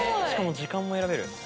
しかも時間も選べる。